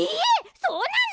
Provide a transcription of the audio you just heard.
そうなの？